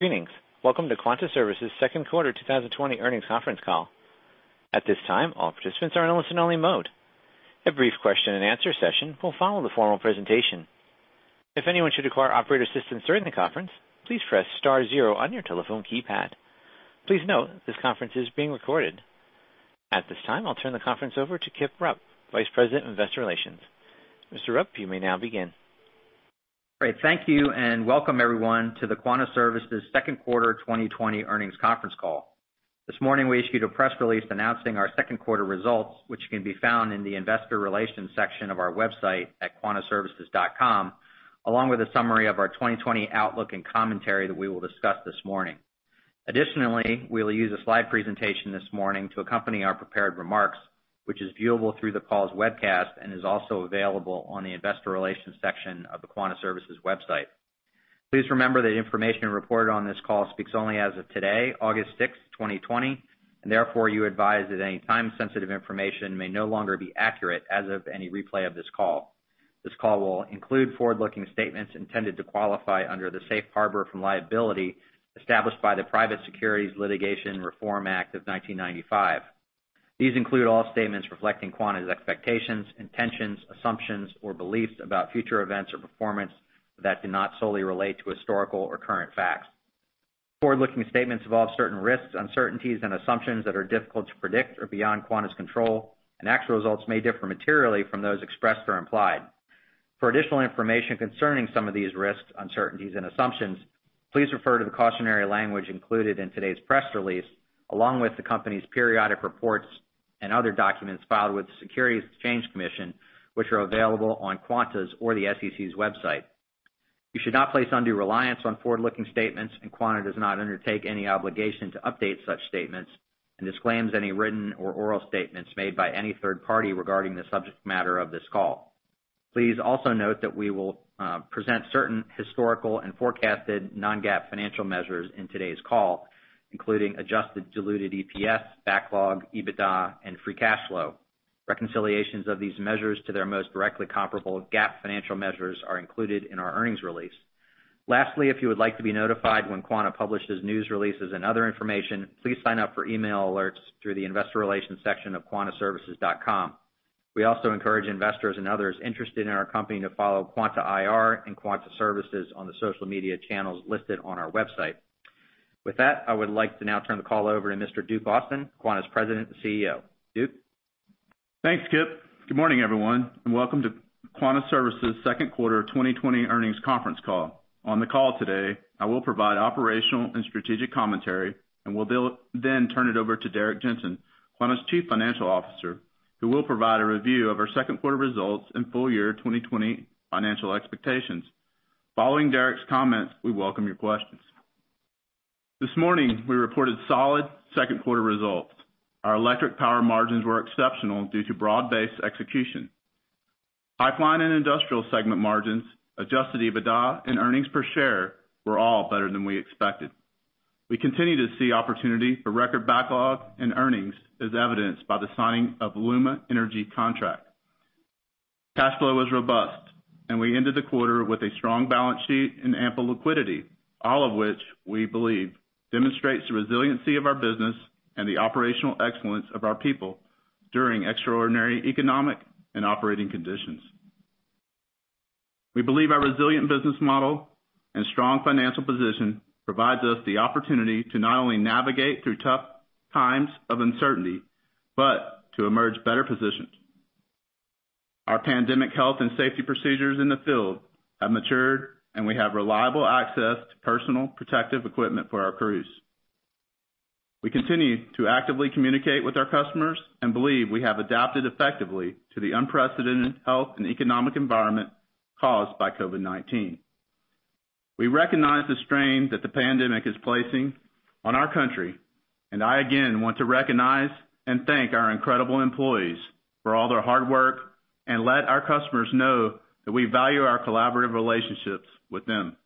Greetings. Welcome to Quanta Services' Second Quarter 2020 Earnings Conference Call. At this time, all participants are in a listen-only mode. A brief question-and-answer session will follow the formal presentation. If anyone should require operator assistance during the conference, please press star zero on your telephone keypad. Please note this conference is being recorded. At this time, I'll turn the conference over to Kip Rupp, Vice President of Investor Relations. Mr. Rupp, you may now begin. Great. Thank you and welcome everyone to the Quanta Services' Second Quarter 2020 Earnings Conference Call. This morning, we issued a press release announcing our second quarter results, which can be found in the Investor Relations section of our website at quantaservices.com, along with a summary of our 2020 outlook and commentary that we will discuss this morning. Additionally, we will use a slide presentation this morning to accompany our prepared remarks, which is viewable through the call's webcast and is also available on the Investor Relations section of the Quanta Services' website. Please remember that information reported on this call speaks only as of today, August 6, 2020, and therefore you are advised that any time-sensitive information may no longer be accurate as of any replay of this call. This call will include forward-looking statements intended to qualify under the safe harbor from liability established by the Private Securities Litigation Reform Act of 1995. These include all statements reflecting Quanta's expectations, intentions, assumptions, or beliefs about future events or performance that do not solely relate to historical or current facts. Forward-looking statements involve certain risks, uncertainties, and assumptions that are difficult to predict or beyond Quanta's control, and actual results may differ materially from those expressed or implied. For additional information concerning some of these risks, uncertainties, and assumptions, please refer to the cautionary language included in today's press release, along with the company's periodic reports and other documents filed with the Securities and Exchange Commission, which are available on Quanta's or the SEC's website. You should not place undue reliance on forward-looking statements, and Quanta does not undertake any obligation to update such statements, and disclaims any written or oral statements made by any third party regarding the subject matter of this call. Please also note that we will present certain historical and forecasted non-GAAP financial measures in today's call, including adjusted diluted EPS, backlog, EBITDA, and free cash flow. Reconciliations of these measures to their most directly comparable GAAP financial measures are included in our earnings release. Lastly, if you would like to be notified when Quanta publishes news releases and other information, please sign up for email alerts through the Investor Relations section of quantaservices.com. We also encourage investors and others interested in our company to follow Quanta IR and Quanta Services on the social media channels listed on our website. With that, I would like to now turn the call over to Mr. Duke Austin, Quanta's President and CEO. Duke. Thanks, Kip. Good morning, everyone, and welcome to Quanta Services' Second Quarter 2020 Earnings Conference Call. On the call today, I will provide operational and strategic commentary, and will then turn it over to Derrick Jensen, Quanta's Chief Financial Officer, who will provide a review of our second quarter results and full year 2020 financial expectations. Following Derrick's comments, we welcome your questions. This morning, we reported solid second quarter results. Our electric power margins were exceptional due to broad-based execution. Pipeline and industrial segment margins, adjusted EBITDA, and earnings per share were all better than we expected. We continue to see opportunity for record backlog and earnings, as evidenced by the signing of the LUMA Energy contract. Cash flow was robust, and we ended the quarter with a strong balance sheet and ample liquidity, all of which, we believe, demonstrates the resiliency of our business and the operational excellence of our people during extraordinary economic and operating conditions. We believe our resilient business model and strong financial position provide us the opportunity to not only navigate through tough times of uncertainty but to emerge better positioned. Our pandemic health and safety procedures in the field have matured, and we have reliable access to personal protective equipment for our crews. We continue to actively communicate with our customers and believe we have adapted effectively to the unprecedented health and economic environment caused by COVID-19. We recognize the strain that the pandemic is placing on our country, and I again want to recognize and thank our incredible employees for all their hard work and let our customers know that we value our collaborative relationships with them.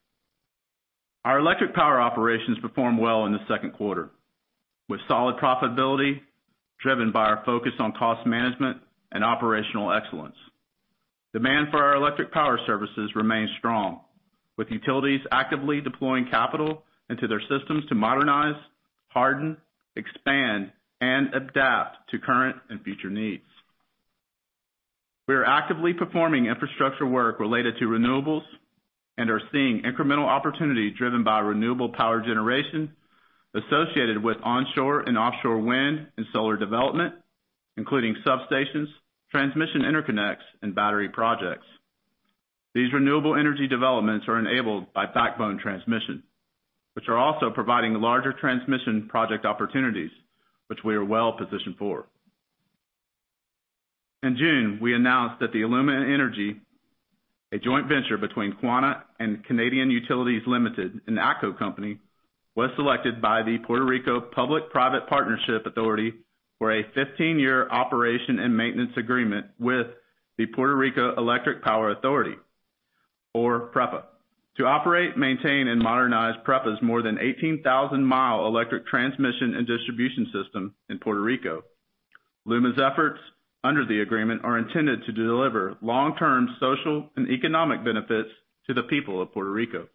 Our electric power operations performed well in the second quarter, with solid profitability driven by our focus on cost management and operational excellence. Demand for our electric power services remains strong, with utilities actively deploying capital into their systems to modernize, harden, expand, and adapt to current and future needs. We are actively performing infrastructure work related to renewables and are seeing incremental opportunity driven by renewable power generation associated with onshore and offshore wind and solar development, including substations, transmission interconnects, and battery projects. These renewable energy developments are enabled by backbone transmission, which are also providing larger transmission project opportunities, which we are well positioned for. In June, we announced that the LUMA Energy, a joint venture between Quanta and Canadian Utilities Limited, an ATCO Company, was selected by the Puerto Rico Public-Private Partnership Authority for a 15-year operation and maintenance agreement with the Puerto Rico Electric Power Authority, or PREPA, to operate, maintain, and modernize PREPA's more than 18,000-mi electric transmission and distribution system in Puerto Rico. LUMA's efforts under the agreement are intended to deliver long-term social and economic benefits to the people of Puerto Rico.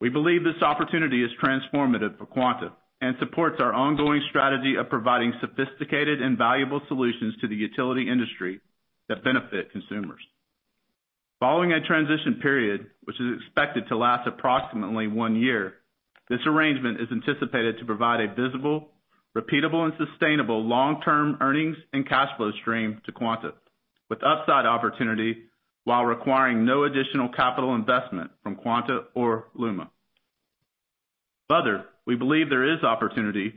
We believe this opportunity is transformative for Quanta and supports our ongoing strategy of providing sophisticated and valuable solutions to the utility industry that benefit consumers. Following a transition period, which is expected to last approximately one year, this arrangement is anticipated to provide a visible, repeatable, and sustainable long-term earnings and cash flow stream to Quanta, with upside opportunity while requiring no additional capital investment from Quanta or LUMA. Further, we believe there is opportunity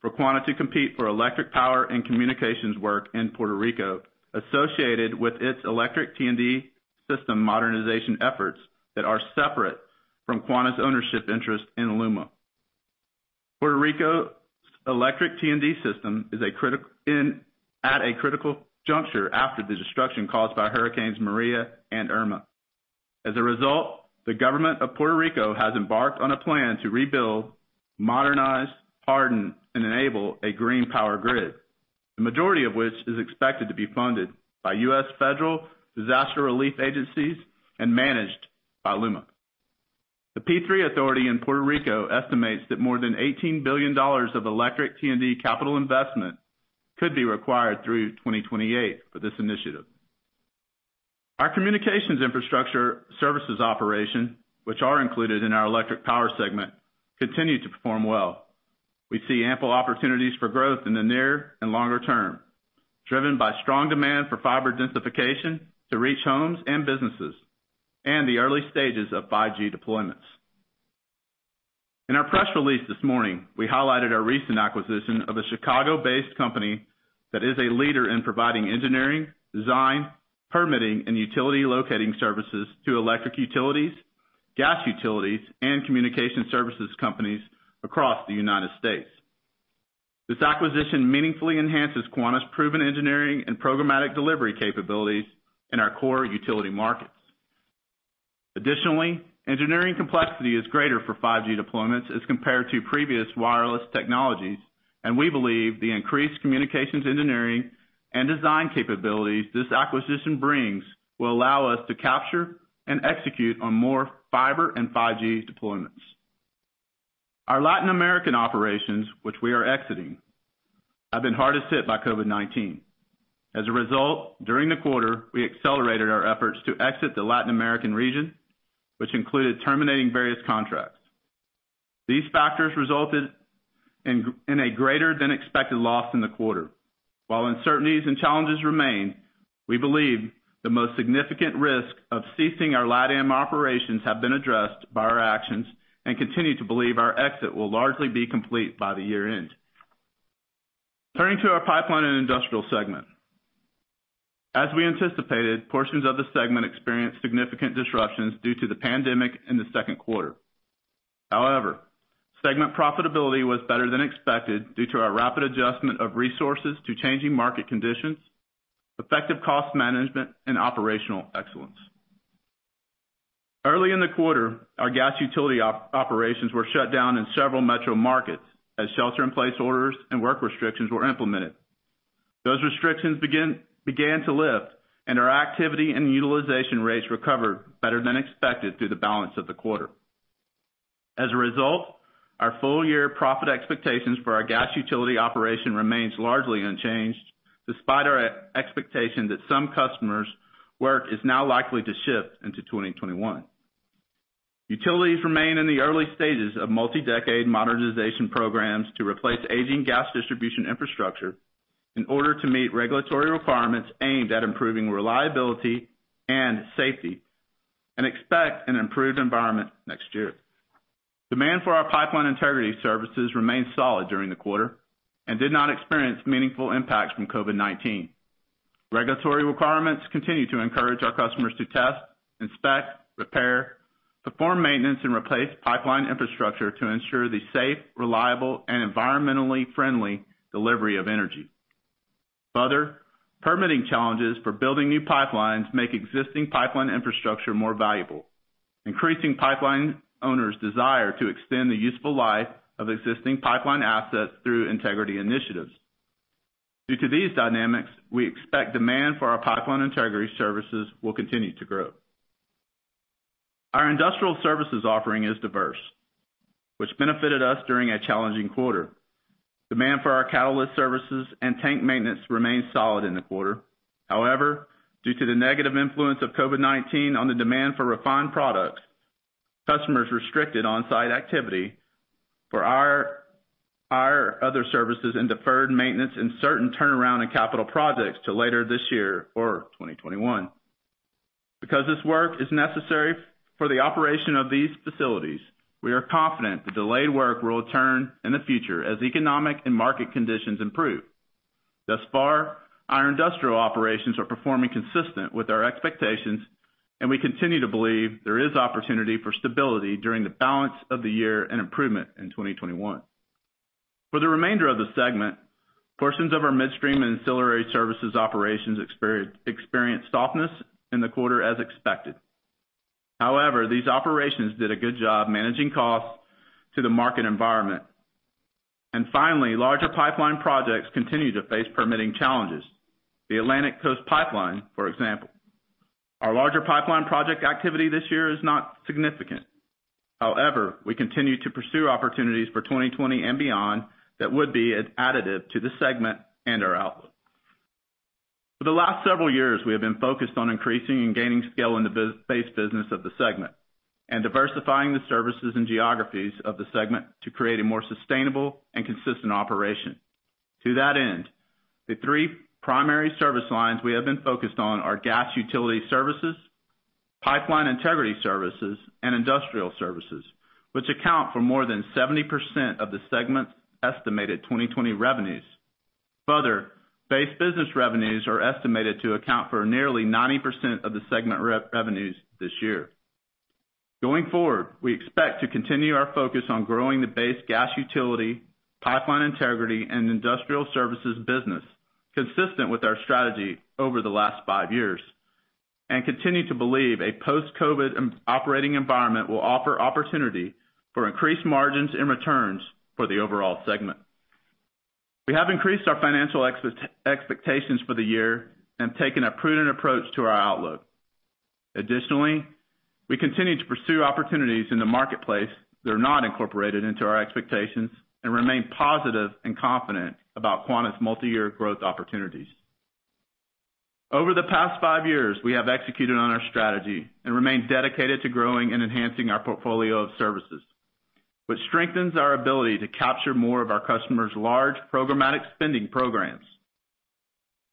for Quanta to compete for electric power and communications work in Puerto Rico associated with its Electric T&D system modernization efforts that are separate from Quanta's ownership interest in LUMA. Puerto Rico's Electric T&D system is at a critical juncture after the destruction caused by Hurricanes Maria and Irma. As a result, the government of Puerto Rico has embarked on a plan to rebuild, modernize, harden, and enable a green power grid, the majority of which is expected to be funded by U.S. Federal Disaster Relief Agencies and managed by LUMA. The P3 authority in Puerto Rico estimates that more than $18 billion of Electric T&D capital investment could be required through 2028 for this initiative. Our communications infrastructure services operation, which are included in our electric power segment, continue to perform well. We see ample opportunities for growth in the near and longer term, driven by strong demand for fiber densification to reach homes and businesses and the early stages of 5G deployments. In our press release this morning, we highlighted our recent acquisition of a Chicago-based company that is a leader in providing engineering, design, permitting, and utility locating services to electric utilities, gas utilities, and communication services companies across the United States. This acquisition meaningfully enhances Quanta's proven engineering and programmatic delivery capabilities in our core utility markets. Additionally, engineering complexity is greater for 5G deployments as compared to previous wireless technologies, and we believe the increased communications engineering and design capabilities this acquisition brings will allow us to capture and execute on more fiber and 5G deployments. Our Latin American operations, which we are exiting, have been hardest hit by COVID-19. As a result, during the quarter, we accelerated our efforts to exit the Latin American region, which included terminating various contracts. These factors resulted in a greater-than-expected loss in the quarter. While uncertainties and challenges remain, we believe the most significant risk of ceasing our LATAM operations has been addressed by our actions and continue to believe our exit will largely be complete by the year-end. Turning to our pipeline and industrial segment, as we anticipated, portions of the segment experienced significant disruptions due to the pandemic in the second quarter. However, segment profitability was better than expected due to our rapid adjustment of resources to changing market conditions, effective cost management, and operational excellence. Early in the quarter, our gas utility operations were shut down in several metro markets as shelter-in-place orders and work restrictions were implemented. Those restrictions began to lift, and our activity and utilization rates recovered better than expected through the balance of the quarter. As a result, our full-year profit expectations for our gas utility operation remain largely unchanged, despite our expectation that some customers' work is now likely to shift into 2021. Utilities remain in the early stages of multi-decade modernization programs to replace aging gas distribution infrastructure in order to meet regulatory requirements aimed at improving reliability and safety and expect an improved environment next year. Demand for our pipeline integrity services remained solid during the quarter and did not experience meaningful impacts from COVID-19. Regulatory requirements continue to encourage our customers to test, inspect, repair, perform maintenance, and replace pipeline infrastructure to ensure the safe, reliable, and environmentally friendly delivery of energy. Further, permitting challenges for building new pipelines make existing pipeline infrastructure more valuable, increasing pipeline owners' desire to extend the useful life of existing pipeline assets through integrity initiatives. Due to these dynamics, we expect demand for our pipeline integrity services will continue to grow. Our industrial services offering is diverse, which benefited us during a challenging quarter. Demand for our catalyst services and tank maintenance remained solid in the quarter. However, due to the negative influence of COVID-19 on the demand for refined products, customers restricted onsite activity for our other services and deferred maintenance in certain turnaround and capital projects to later this year or 2021. Because this work is necessary for the operation of these facilities, we are confident the delayed work will return in the future as economic and market conditions improve. Thus far, our industrial operations are performing consistent with our expectations, and we continue to believe there is opportunity for stability during the balance of the year and improvement in 2021. For the remainder of the segment, portions of our midstream and ancillary services operations experienced softness in the quarter as expected. These operations did a good job managing costs to the market environment. Finally, larger pipeline projects continue to face permitting challenges. The Atlantic Coast Pipeline, for example. Our larger pipeline project activity this year is not significant. However, we continue to pursue opportunities for 2020 and beyond that would be an additive to the segment and our outlook. For the last several years, we have been focused on increasing and gaining scale in the base business of the segment and diversifying the services and geographies of the segment to create a more sustainable and consistent operation. To that end, the three primary service lines we have been focused on are gas utility services, pipeline integrity services, and industrial services, which account for more than 70% of the segment's estimated 2020 revenues. Further, base business revenues are estimated to account for nearly 90% of the segment revenues this year. Going forward, we expect to continue our focus on growing the base gas utility, pipeline integrity, and industrial services business consistent with our strategy over the last five years and continue to believe a post-COVID operating environment will offer opportunity for increased margins and returns for the overall segment. We have increased our financial expectations for the year and taken a prudent approach to our outlook. Additionally, we continue to pursue opportunities in the marketplace that are not incorporated into our expectations and remain positive and confident about Quanta's multi-year growth opportunities. Over the past five years, we have executed on our strategy and remained dedicated to growing and enhancing our portfolio of services, which strengthens our ability to capture more of our customers' large programmatic spending programs.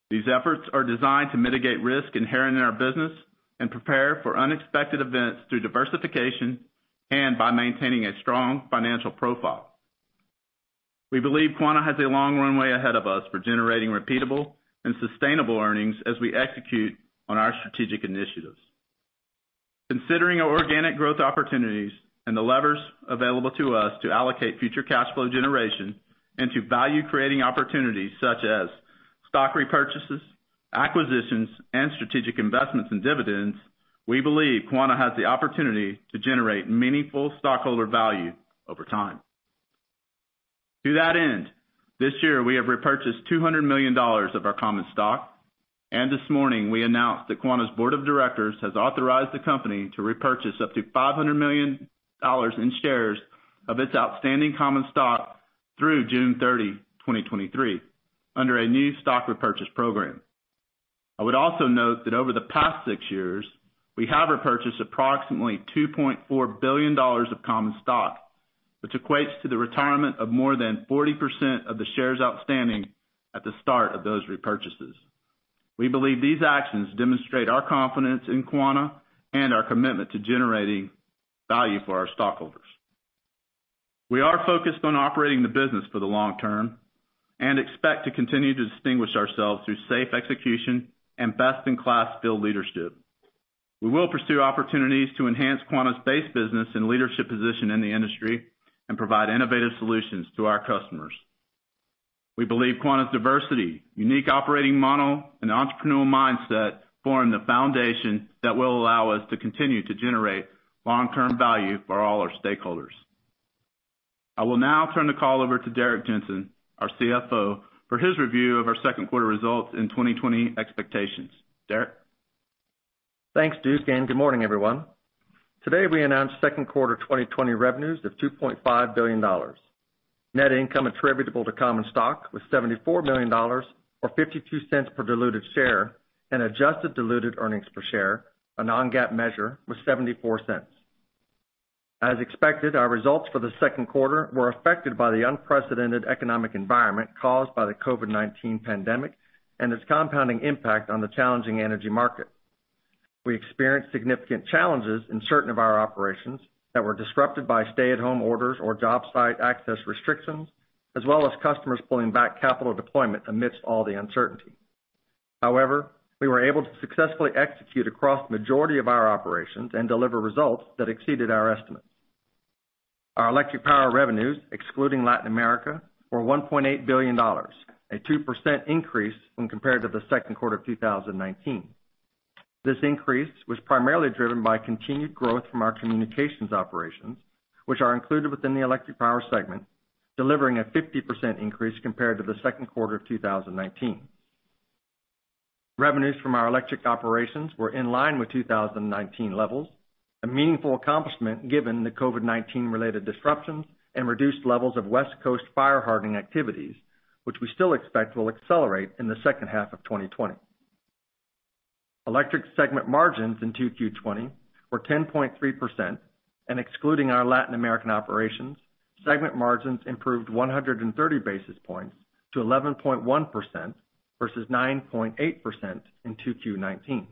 These efforts are designed to mitigate risk inherent in our business and prepare for unexpected events through diversification and by maintaining a strong financial profile. We believe Quanta has a long runway ahead of us for generating repeatable and sustainable earnings as we execute on our strategic initiatives. Considering our organic growth opportunities and the levers available to us to allocate future cash flow generation and to value-creating opportunities such as stock repurchases, acquisitions, and strategic investments in dividends, we believe Quanta has the opportunity to generate meaningful stockholder value over time. To that end, this year, we have repurchased $200 million of our common stock, and this morning, we announced that Quanta's board of directors has authorized the company to repurchase up to $500 million in shares of its outstanding common stock through June 30, 2023, under a new stock repurchase program. I would also note that over the past six years, we have repurchased approximately $2.4 billion of common stock, which equates to the retirement of more than 40% of the shares outstanding at the start of those repurchases. We believe these actions demonstrate our confidence in Quanta and our commitment to generating value for our stockholders. We are focused on operating the business for the long term and expect to continue to distinguish ourselves through safe execution and best-in-class field leadership. We will pursue opportunities to enhance Quanta's base business and leadership position in the industry and provide innovative solutions to our customers. We believe Quanta's diversity, unique operating model, and entrepreneurial mindset form the foundation that will allow us to continue to generate long-term value for all our stakeholders. I will now turn the call over to Derrick Jensen, our CFO, for his review of our second quarter results and 2020 expectations. Derrick. Thanks, Duke, and good morning, everyone. Today, we announced second quarter 2020 revenues of $2.5 billion. Net income attributable to common stock was $74 million, or $0.52 per diluted share, and adjusted diluted earnings per share, a non-GAAP measure, was $0.74. As expected, our results for the second quarter were affected by the unprecedented economic environment caused by the COVID-19 pandemic and its compounding impact on the challenging energy market. We experienced significant challenges in certain of our operations that were disrupted by stay-at-home orders or job site access restrictions, as well as customers pulling back capital deployment amidst all the uncertainty. However, we were able to successfully execute across the majority of our operations and deliver results that exceeded our estimates. Our electric power revenues, excluding Latin America, were $1.8 billion, a 2% increase when compared to the second quarter of 2019. This increase was primarily driven by continued growth from our communications operations, which are included within the electric power segment, delivering a 50% increase compared to the second quarter of 2019. Revenues from our electric operations were in line with 2019 levels, a meaningful accomplishment given the COVID-19-related disruptions and reduced levels of West Coast fire hardening activities, which we still expect will accelerate in the second half of 2020. Electric segment margins in Q2 2020 were 10.3%, and excluding our Latin American operations, segment margins improved 130 basis points to 11.1% versus 9.8% in Q2 2019.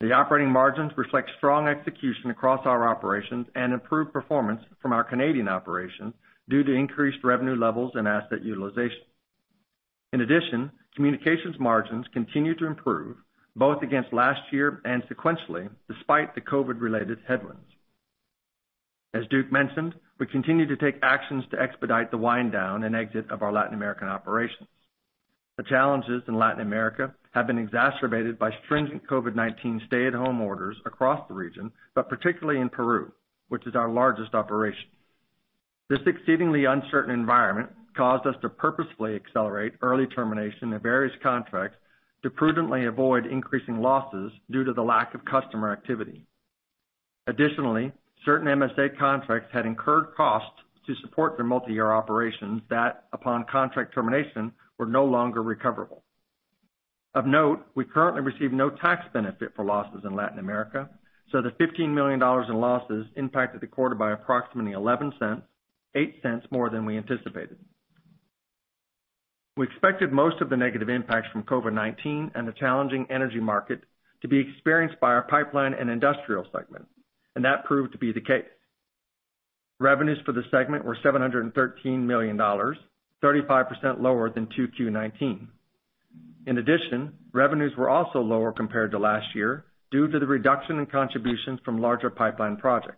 The operating margins reflect strong execution across our operations and improved performance from our Canadian operations due to increased revenue levels and asset utilization. In addition, communications margins continue to improve, both against last year and sequentially, despite the COVID-related headwinds. As Duke mentioned, we continue to take actions to expedite the wind-down and exit of our Latin American operations. The challenges in Latin America have been exacerbated by stringent COVID-19 stay-at-home orders across the region, but particularly in Peru, which is our largest operation. This exceedingly uncertain environment caused us to purposefully accelerate early termination of various contracts to prudently avoid increasing losses due to the lack of customer activity. Additionally, certain MSA contracts had incurred costs to support their multi-year operations that, upon contract termination, were no longer recoverable. Of note, we currently receive no tax benefit for losses in Latin America, so the $15 million in losses impacted the quarter by approximately $0.11, $0.8 more than we anticipated. We expected most of the negative impacts from COVID-19 and the challenging energy market to be experienced by our pipeline and industrial segment, and that proved to be the case. Revenues for the segment were $713 million, 35% lower than Q2 2019. In addition, revenues were also lower compared to last year due to the reduction in contributions from larger pipeline projects.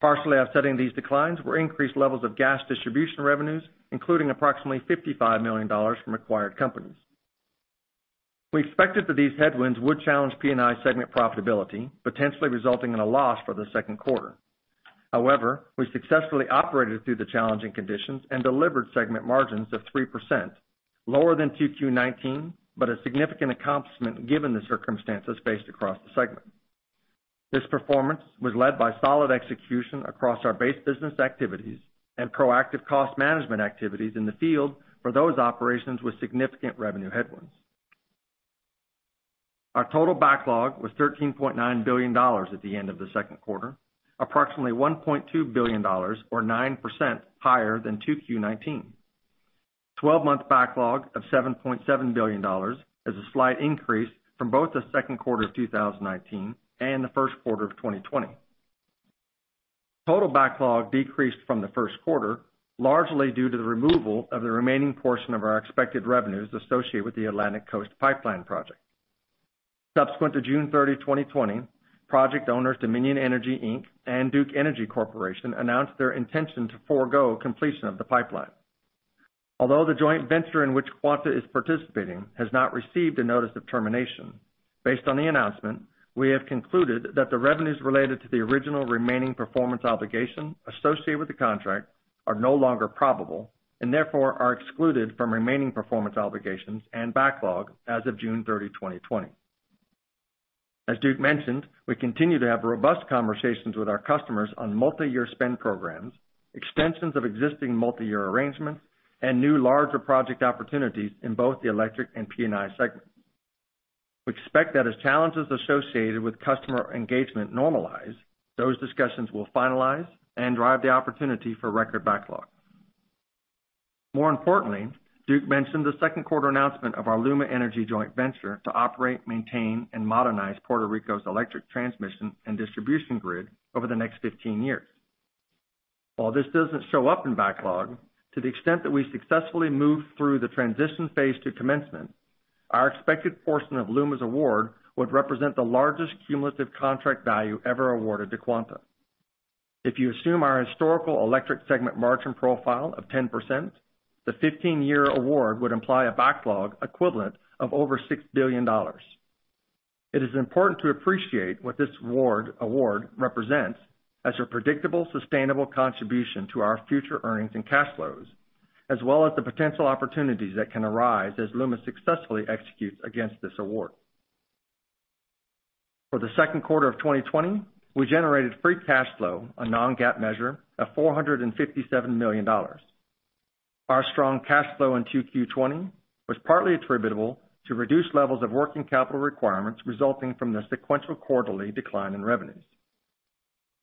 Partially offsetting these declines were increased levels of gas distribution revenues, including approximately $55 million from acquired companies. We expected that these headwinds would challenge P&I segment profitability, potentially resulting in a loss for the second quarter. However, we successfully operated through the challenging conditions and delivered segment margins of 3%, lower than Q2 2019, but a significant accomplishment given the circumstances faced across the segment. This performance was led by solid execution across our base business activities and proactive cost management activities in the field for those operations with significant revenue headwinds. Our total backlog was $13.9 billion at the end of the second quarter, approximately $1.2 billion, or 9% higher than Q2 2019. Twelve-month backlog of $7.7 billion is a slight increase from both the second quarter of 2019 and the first quarter of 2020. Total backlog decreased from the first quarter, largely due to the removal of the remaining portion of our expected revenues associated with the Atlantic Coast Pipeline project. Subsequent to June 30, 2020, project owners Dominion Energy, and Duke Energy Corporation announced their intention to forego completion of the pipeline. Although the joint venture in which Quanta is participating has not received a notice of termination, based on the announcement, we have concluded that the revenues related to the original remaining performance obligation associated with the contract are no longer probable and therefore are excluded from remaining performance obligations and backlog as of June 30, 2020. As Duke mentioned, we continue to have robust conversations with our customers on multi-year spend programs, extensions of existing multi-year arrangements, and new larger project opportunities in both the electric and P&I segments. We expect that as challenges associated with customer engagement normalize, those discussions will finalize and drive the opportunity for record backlog. More importantly, Duke mentioned the second quarter announcement of our LUMA Energy joint venture to operate, maintain, and modernize Puerto Rico's electric transmission and distribution grid over the next 15 years. While this doesn't show up in backlog, to the extent that we successfully move through the transition phase to commencement, our expected portion of LUMA's award would represent the largest cumulative contract value ever awarded to Quanta. If you assume our historical electric segment margin profile of 10%, the 15-year award would imply a backlog equivalent of over $6 billion. It is important to appreciate what this award represents as a predictable, sustainable contribution to our future earnings and cash flows, as well as the potential opportunities that can arise as LUMA successfully executes against this award. For the second quarter of 2020, we generated free cash flow, a non-GAAP measure, of $457 million. Our strong cash flow in Q2 2020 was partly attributable to reduced levels of working capital requirements resulting from the sequential quarterly decline in revenues.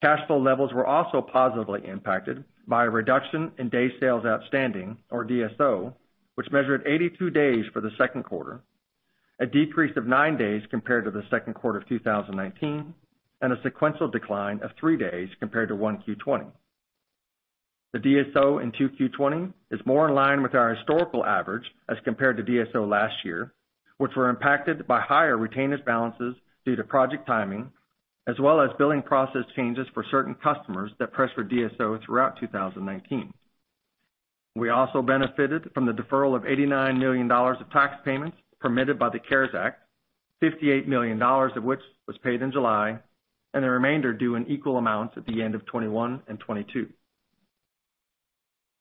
Cash flow levels were also positively impacted by a reduction in day sales outstanding, or DSO, which measured 82 days for the second quarter, a decrease of 9 days compared to the second quarter of 2019, and a sequential decline of 3 days compared to 1Q 2020. The DSO in 2Q 2020 is more in line with our historical average as compared to DSO last year, which were impacted by higher retainers' balances due to project timing, as well as billing process changes for certain customers that pressured DSO throughout 2019. We also benefited from the deferral of $89 million of tax payments permitted by the CARES Act, $58 million of which was paid in July, and the remainder due in equal amounts at the end of 2021 and 2022.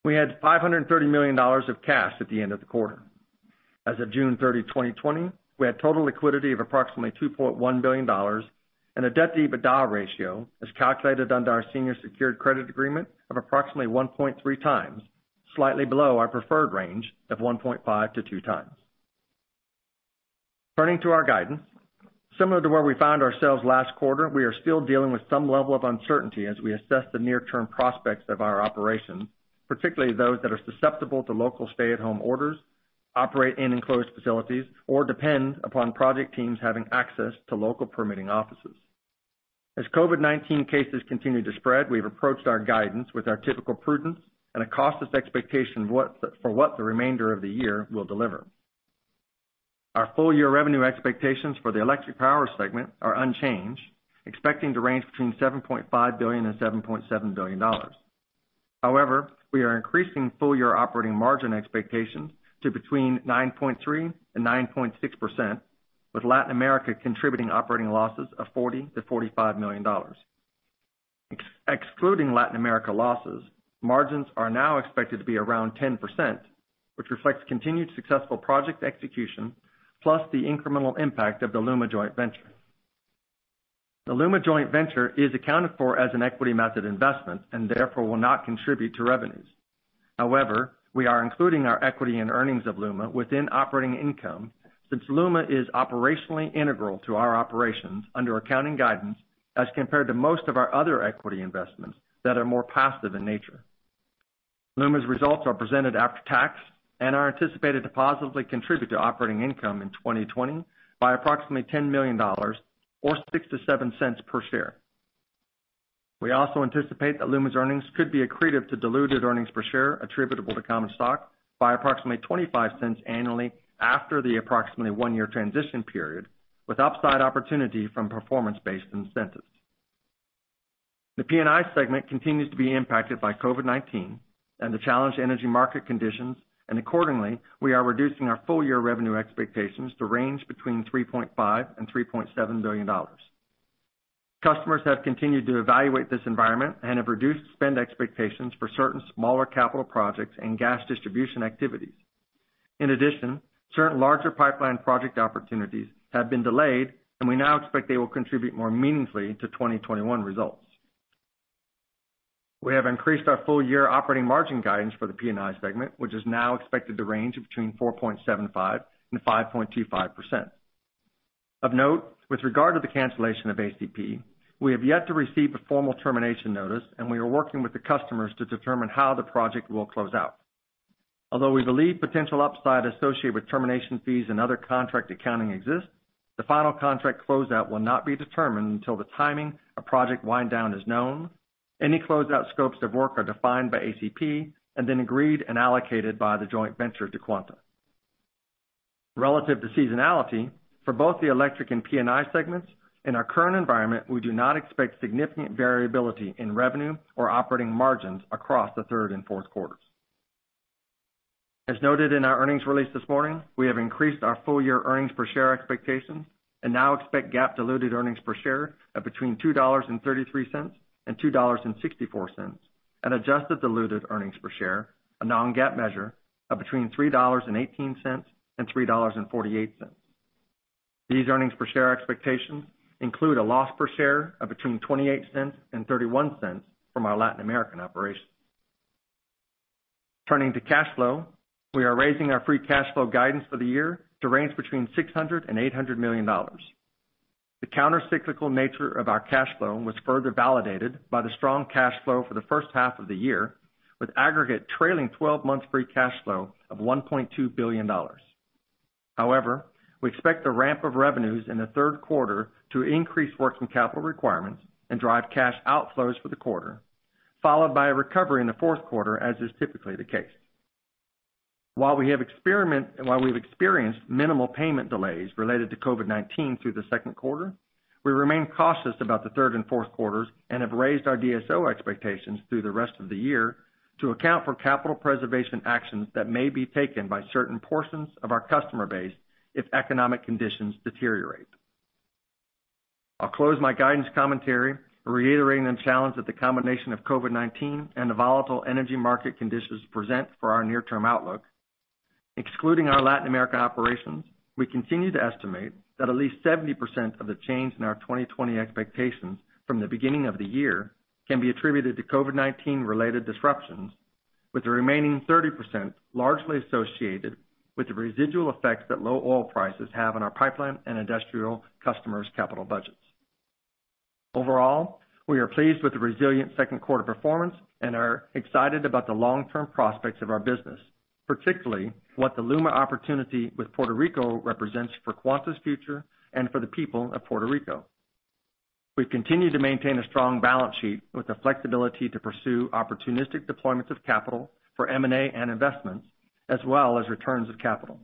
We had $530 million of cash at the end of the quarter. As of June 30, 2020, we had total liquidity of approximately $2.1 billion, and a debt EBITDA ratio as calculated under our senior secured credit agreement of approximately 1.3x, slightly below our preferred range of 1.5x-2x. Turning to our guidance, similar to where we found ourselves last quarter, we are still dealing with some level of uncertainty as we assess the near-term prospects of our operations, particularly those that are susceptible to local stay-at-home orders, operate in enclosed facilities, or depend upon project teams having access to local permitting offices. As COVID-19 cases continue to spread, we've approached our guidance with our typical prudence and a cautious expectation for what the remainder of the year will deliver. Our full-year revenue expectations for the electric power segment are unchanged, expecting to range between $7.5 billion and $7.7 billion. However, we are increasing full-year operating margin expectations to between 9.3% and 9.6%, with Latin America contributing operating losses of $40 million-$45 million. Excluding Latin America losses, margins are now expected to be around 10%, which reflects continued successful project execution plus the incremental impact of the LUMA joint venture. The LUMA joint venture is accounted for as an equity-method investment and therefore will not contribute to revenues. However, we are including our equity and earnings of LUMA within operating income since LUMA is operationally integral to our operations under accounting guidance as compared to most of our other equity investments that are more passive in nature. LUMA's results are presented after tax, and are anticipated to positively contribute to operating income in 2020 by approximately $10 million, or $0.6-$0.7 per share. We also anticipate that LUMA's earnings could be accretive to diluted earnings per share attributable to common stock by approximately $0.25 annually after the approximately one-year transition period, with upside opportunity from performance-based incentives. The P&I segment continues to be impacted by COVID-19 and the challenged energy market conditions, and accordingly, we are reducing our full-year revenue expectations to range between $3.5 billion and $3.7 billion. Customers have continued to evaluate this environment and have reduced spend expectations for certain smaller capital projects and gas distribution activities. In addition, certain larger pipeline project opportunities have been delayed, and we now expect they will contribute more meaningfully to 2021 results. We have increased our full-year operating margin guidance for the P&I segment, which is now expected to range between 4.75%-5.25%. Of note, with regard to the cancellation of ACP, we have yet to receive a formal termination notice, and we are working with the customers to determine how the project will close out. Although we believe potential upside associated with termination fees and other contract accounting exists, the final contract closeout will not be determined until the timing of project wind-down is known. Any closeout scopes of work are defined by ACP and then agreed and allocated by the joint venture to Quanta. Relative to seasonality, for both the electric and P&I segments, in our current environment, we do not expect significant variability in revenue or operating margins across the third and fourth quarters. As noted in our earnings release this morning, we have increased our full-year earnings per share expectations and now expect GAAP-diluted earnings per share of between $2.33 and $2.64, and adjusted diluted earnings per share, a non-GAAP measure, of between $3.18 and $3.48. These earnings per share expectations include a loss per share of between $0.28 and $0.31 from our Latin American operations. Turning to cash flow, we are raising our free cash flow guidance for the year to range between $600 million and $800 million. The countercyclical nature of our cash flow was further validated by the strong cash flow for the first half of the year, with aggregate trailing 12-month free cash flow of $1.2 billion. However, we expect the ramp of revenues in the third quarter to increase working capital requirements and drive cash outflows for the quarter, followed by a recovery in the fourth quarter, as is typically the case. While we have experienced minimal payment delays related to COVID-19 through the second quarter, we remain cautious about the third and fourth quarters and have raised our DSO expectations through the rest of the year to account for capital preservation actions that may be taken by certain portions of our customer base if economic conditions deteriorate. I'll close my guidance commentary reiterating the challenge that the combination of COVID-19 and the volatile energy market conditions present for our near-term outlook. Excluding our Latin American operations, we continue to estimate that at least 70% of the change in our 2020 expectations from the beginning of the year can be attributed to COVID-19-related disruptions, with the remaining 30% largely associated with the residual effects that low oil prices have on our pipeline and industrial customers' capital budgets. Overall, we are pleased with the resilient second quarter performance and are excited about the long-term prospects of our business, particularly what the LUMA opportunity with Puerto Rico represents for Quanta's future and for the people of Puerto Rico. We continue to maintain a strong balance sheet with the flexibility to pursue opportunistic deployments of capital for M&A and investments, as well as returns of capital.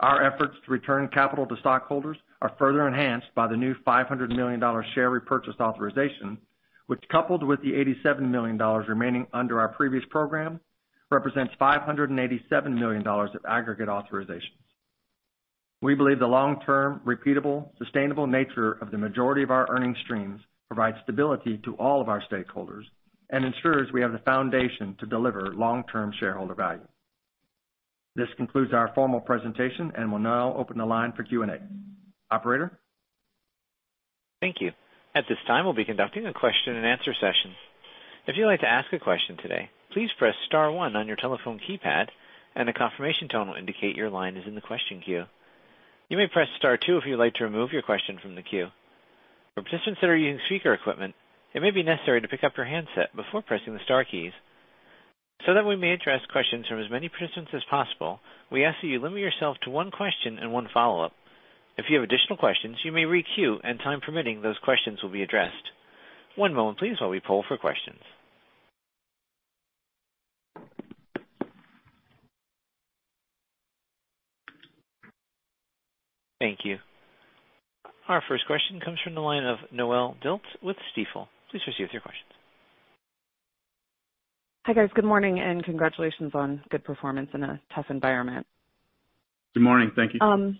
Our efforts to return capital to stockholders are further enhanced by the new $500 million share repurchase authorization, which, coupled with the $87 million remaining under our previous program, represents $587 million of aggregate authorizations. We believe the long-term, repeatable, sustainable nature of the majority of our earnings streams provides stability to all of our stakeholders and ensures we have the foundation to deliver long-term shareholder value. This concludes our formal presentation and will now open the line for Q&A. Operator? Thank you. At this time, we'll be conducting a question-and-answer session. If you'd like to ask a question today, please press star one on your telephone keypad, and the confirmation tone will indicate your line is in the question queue. You may press star two if you'd like to remove your question from the queue. For participants that are using speaker equipment, it may be necessary to pick up your handset before pressing the star keys. So that we may address questions from as many participants as possible, we ask that you limit yourself to one question and one follow-up. If you have additional questions, you may re-queue, and time permitting, those questions will be addressed. One moment, please, while we pull for questions. Thank you. Our first question comes from the line of Noelle Dilts with Stifel. Please proceed with your questions. Hi, guys. Good morning and congratulations on good performance in a tough environment. Good morning. Thank you. Good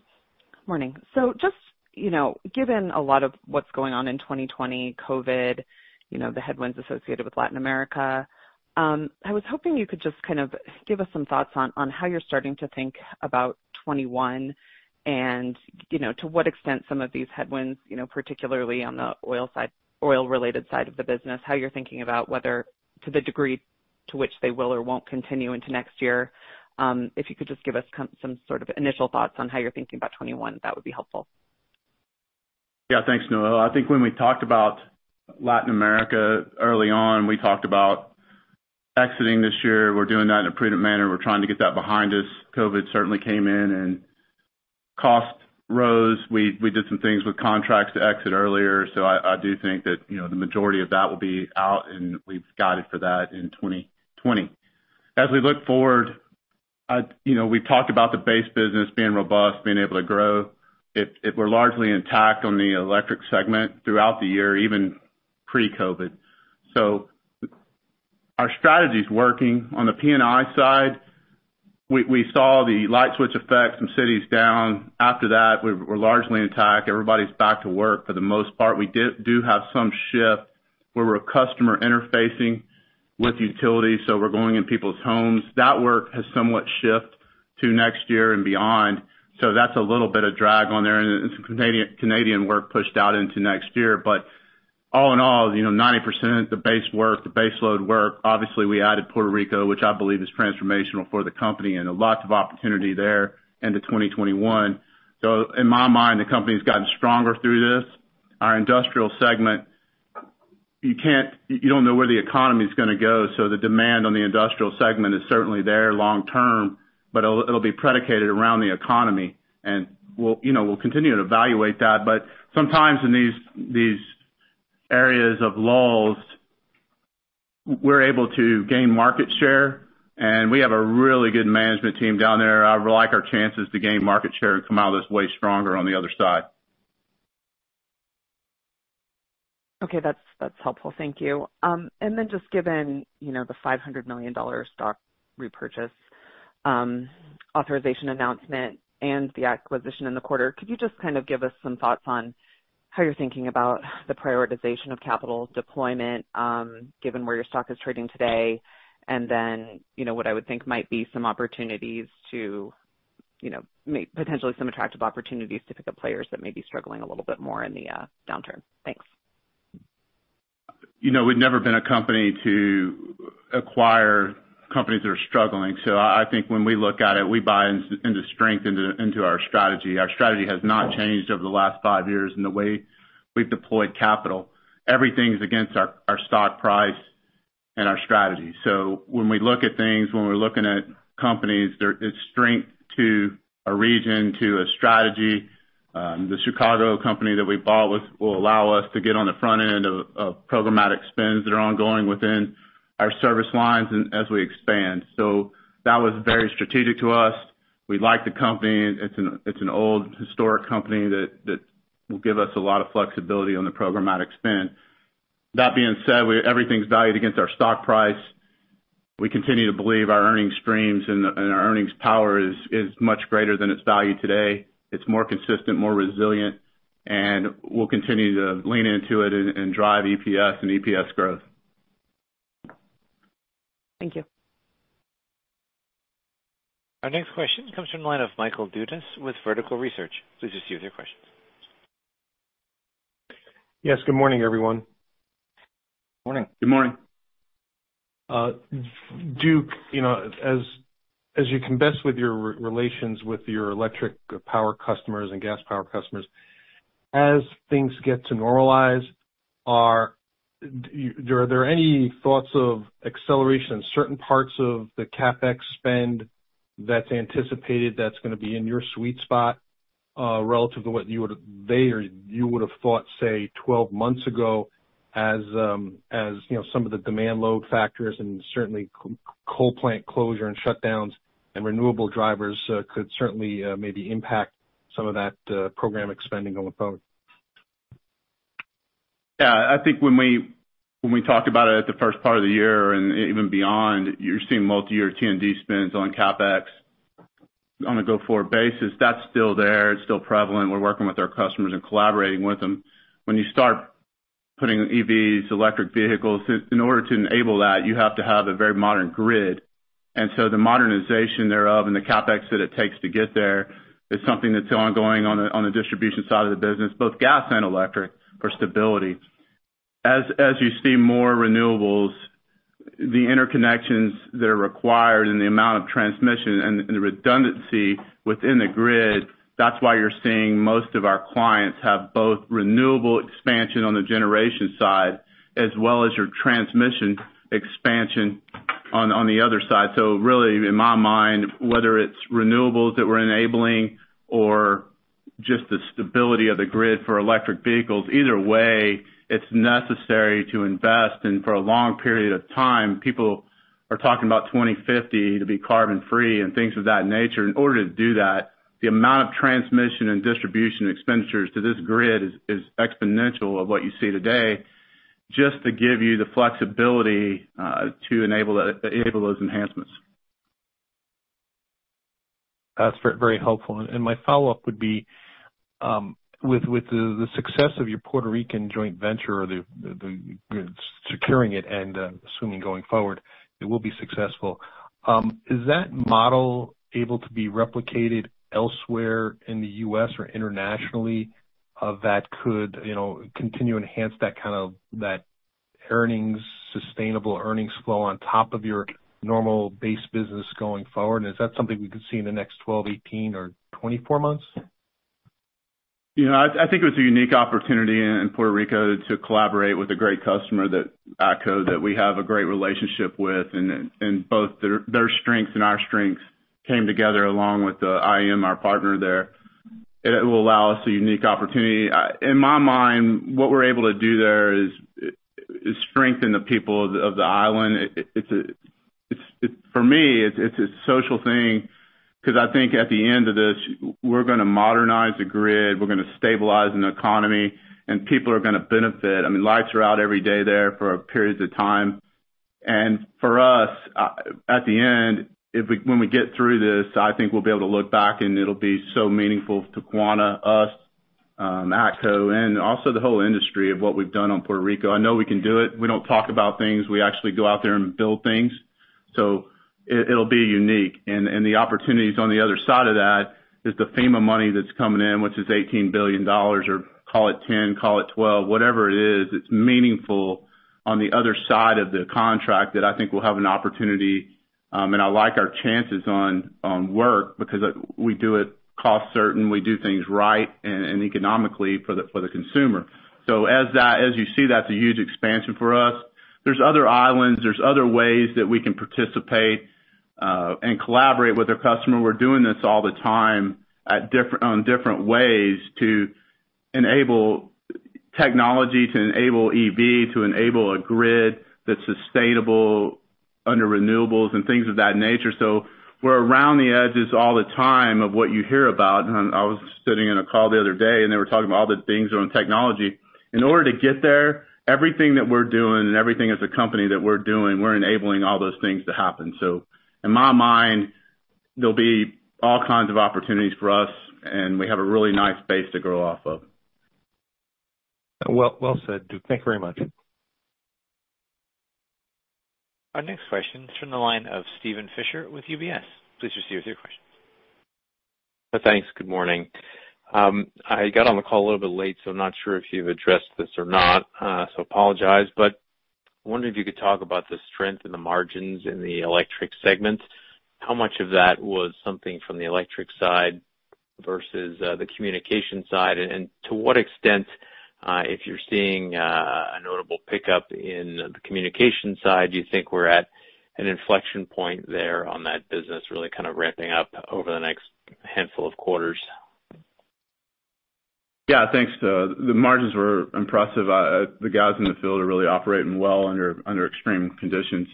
morning. Just given a lot of what's going on in 2020, COVID, the headwinds associated with Latin America, I was hoping you could just kind of give us some thoughts on how you're starting to think about 2021 and to what extent some of these headwinds, particularly on the oil-related side of the business, how you're thinking about whether to the degree to which they will or won't continue into next year. If you could just give us some sort of initial thoughts on how you're thinking about 2021, that would be helpful. Yeah. Thanks, Noelle. I think when we talked about Latin America early on, we talked about exiting this year. We're doing that in a prudent manner. We're trying to get that behind us. COVID certainly came in, and cost rose. We did some things with contracts to exit earlier. I do think that the majority of that will be out, and we've guided for that in 2020. As we look forward, we've talked about the base business being robust, being able to grow. We're largely intact on the electric segment throughout the year, even pre-COVID. Our strategy is working. On the P&I side, we saw the light switch effect from cities down. After that, we're largely intact. Everybody's back to work for the most part. We do have some shift where we're customer interfacing with utilities, so we're going in people's homes. That work has somewhat shifted to next year and beyond. That's a little bit of drag on there, and some Canadian work pushed out into next year. All in all, 90% of the base work, the base load work, obviously, we added Puerto Rico, which I believe is transformational for the company and a lot of opportunity there into 2021. In my mind, the company has gotten stronger through this. Our industrial segment, you do not know where the economy is going to go, so the demand on the industrial segment is certainly there long-term, but it will be predicated around the economy, and we will continue to evaluate that. Sometimes in these areas of lulls, we are able to gain market share, and we have a really good management team down there. I would like our chances to gain market share and come out of this way stronger on the other side. Okay. That is helpful. Thank you. Just given the $500 million stock repurchase authorization announcement and the acquisition in the quarter, could you just kind of give us some thoughts on how you're thinking about the prioritization of capital deployment given where your stock is trading today and then what I would think might be some opportunities to potentially some attractive opportunities to pick up players that may be struggling a little bit more in the downturn? Thanks. We've never been a company to acquire companies that are struggling. I think when we look at it, we buy into strength into our strategy. Our strategy has not changed over the last five years in the way we've deployed capital. Everything's against our stock price and our strategy. When we look at things, when we're looking at companies, it's strength to a region, to a strategy. The Chicago company that we bought will allow us to get on the front end of programmatic spends that are ongoing within our service lines as we expand. That was very strategic to us. We like the company. It's an old, historic company that will give us a lot of flexibility on the programmatic spend. That being said, everything's valued against our stock price. We continue to believe our earnings streams and our earnings power is much greater than its value today. It's more consistent, more resilient, and we'll continue to lean into it and drive EPS and EPS growth. Thank you. Our next question comes from the line of Michael Dudas with Vertical Research. Please proceed with your questions. Yes. Good morning, everyone. Morning.Good morning. Duke, as you can best with your relations with your electric power customers and gas power customers, as things get to normalize, are there any thoughts of acceleration in certain parts of the CapEx spend that's anticipated that's going to be in your sweet spot relative to what you would have thought, say, 12 months ago as some of the demand load factors and certainly coal plant closure and shutdowns and renewable drivers could certainly maybe impact some of that program expanding going forward? Yeah. I think when we talk about it at the first part of the year and even beyond, you're seeing multi-year T&D spends on CapEx on a go-forward basis. That's still there. It's still prevalent. We're working with our customers and collaborating with them. When you start putting EVs, electric vehicles, in order to enable that, you have to have a very modern grid. The modernization thereof and the CapEx that it takes to get there is something that's ongoing on the distribution side of the business, both gas and electric, for stability. As you see more renewables, the interconnections that are required and the amount of transmission and the redundancy within the grid, that's why you're seeing most of our clients have both renewable expansion on the generation side as well as your transmission expansion on the other side. Really, in my mind, whether it's renewables that we're enabling or just the stability of the grid for electric vehicles, either way, it's necessary to invest. For a long period of time, people are talking about 2050 to be carbon-free and things of that nature. In order to do that, the amount of transmission and distribution expenditures to this grid is exponential of what you see today just to give you the flexibility to enable those enhancements. That's very helpful. My follow-up would be with the success of your Puerto Rican joint venture or securing it and assuming going forward it will be successful. Is that model able to be replicated elsewhere in the U.S. or internationally that could continue to enhance that kind of earnings, sustainable earnings flow on top of your normal base business going forward? Is that something we could see in the next 12, 18, or 24 months? I think it was a unique opportunity in Puerto Rico to collaborate with a great customer, ATCO, that we have a great relationship with. Both their strengths and our strengths came together along with IEM, our partner there. It will allow us a unique opportunity. In my mind, what we're able to do there is strengthen the people of the island. For me, it's a social thing because I think at the end of this, we're going to modernize the grid. We're going to stabilize an economy, and people are going to benefit. I mean, lights are out every day there for periods of time. For us, at the end, when we get through this, I think we'll be able to look back, and it'll be so meaningful to Quanta, us, ATCO, and also the whole industry of what we've done on Puerto Rico. I know we can do it. We don't talk about things. We actually go out there and build things. It will be unique. The opportunities on the other side of that is the FEMA money that's coming in, which is $18 billion or call it 10, call it 12, whatever it is. It's meaningful on the other side of the contract that I think we'll have an opportunity. I like our chances on work because we do it cost-certain. We do things right and economically for the consumer. As you see, that's a huge expansion for us. There's other islands. There's other ways that we can participate and collaborate with our customer. We're doing this all the time on different ways to enable technology, to enable EV, to enable a grid that's sustainable under renewables and things of that nature. We're around the edges all the time of what you hear about. I was sitting in a call the other day, and they were talking about all the things around technology. In order to get there, everything that we're doing and everything as a company that we're doing, we're enabling all those things to happen. In my mind, there'll be all kinds of opportunities for us, and we have a really nice base to grow off of. Well said, Duke. Thank you very much. Our next question is from the line of Steven Fisher with UBS. Please proceed with your questions. Thanks. Good morning. I got on the call a little bit late, so I'm not sure if you've addressed this or not, so I apologize. I wonder if you could talk about the strength and the margins in the electric segment. How much of that was something from the electric side versus the communication side? To what extent, if you're seeing a notable pickup in the communication side, do you think we're at an inflection point there on that business really kind of ramping up over the next handful of quarters? Yeah. Thanks. The margins were impressive. The guys in the field are really operating well under extreme conditions.